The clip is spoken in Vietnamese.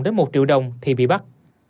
đến một triệu đồng thì bị bắt